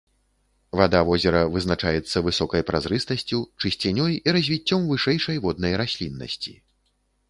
Вада возера вызначаецца высокай празрыстасцю, чысцінёй і развіццём вышэйшай воднай расліннасці.